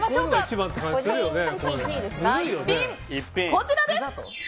こちらです！